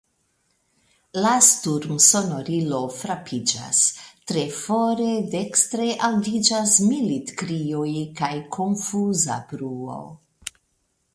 La sturmsonorilo frapiĝas; tre fore dekstre aŭdiĝas militkrioj kaj konfuza bruo.